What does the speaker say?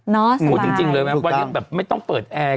น่าสบายถูกต้องวันนี้แบบไม่ต้องเปิดแอร์